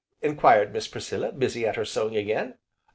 enquired Miss Priscilla, busy at her sewing again.